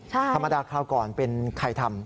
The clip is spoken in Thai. ธรรมดาคราวก่อนเป็นใครทำ